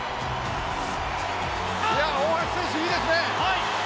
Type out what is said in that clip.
大橋選手いいですね。